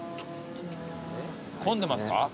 混んでますか？